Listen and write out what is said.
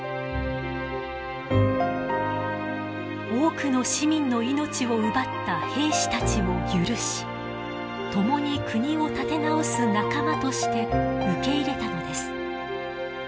多くの市民の命を奪った兵士たちを許し共に国を立て直す仲間として受け入れたのです。